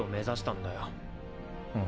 ん？